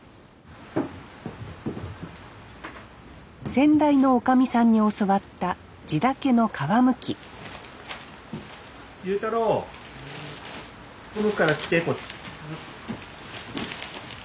先代のおかみさんに教わったジダケの皮むき悠太郎から来てこっち。